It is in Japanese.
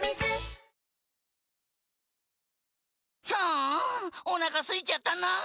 あお腹すいちゃったなー。